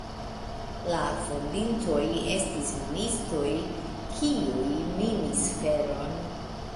La fondintoj estis ministoj, kiuj minis feron.